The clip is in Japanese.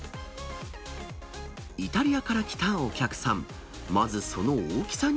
イタリアから来たお客さん。